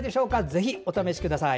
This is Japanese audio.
ぜひお試しください。